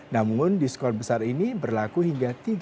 namun diskon besar ini berlaku hingga tiga puluh juni dua ribu dua puluh